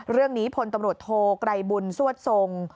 เรื่องนี้ผลตำรวจโทรไกรบุญสวดทรง